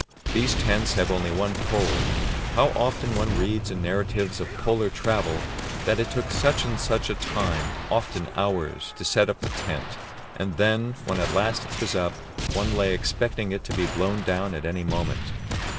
These tents have only one pole. How often one reads in narratives of Polar travel that it took such and such a time often hours to set up the tent, and then, when at last it was up, one lay expecting it to be blown down at any moment.